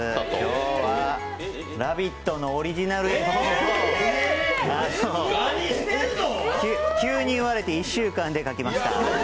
今日は「ラヴィット！」のオリジナル絵本を急に言われて１週間で描きました。